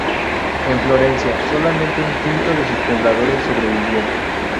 En Florencia, solamente un quinto de sus pobladores sobrevivió.